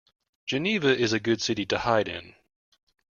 Geneva is a good city to hide in.